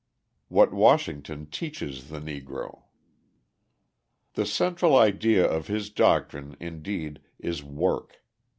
What Washington Teaches the Negro The central idea of his doctrine, indeed, is work.